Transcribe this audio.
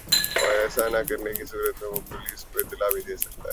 اور ایسا نہ کرنے کی صورت میں وہ پولیس کو اطلاع بھی دے سکتا ہے